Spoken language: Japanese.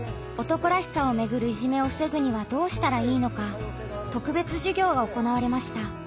「男らしさ」をめぐるいじめを防ぐにはどうしたらいいのか特別授業が行われました。